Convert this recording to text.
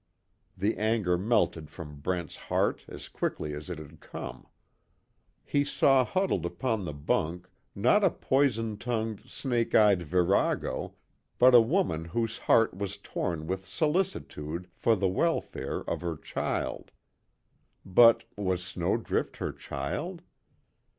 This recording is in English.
The anger melted from Brent's heart as quickly as it had come. He saw huddled upon the bunk not a poison tongued, snake eyed virago, but a woman whose heart was torn with solicitude for the welfare of her child. But, was Snowdrift her child?